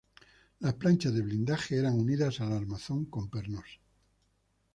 Las planchas de blindaje eran unidas al armazón con pernos.